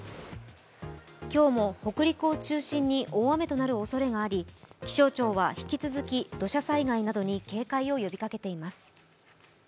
今日も北陸を中心に大雨となるおそれがあり気象庁は引き続き、土砂災害などに警戒を呼びかけています。